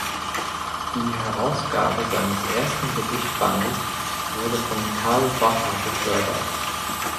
Die Herausgabe seines ersten Gedichtbandes wurde von Karl Bacher gefördert.